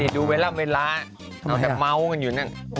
ดูเวลาเอาแต่เมากันอยู่นั่น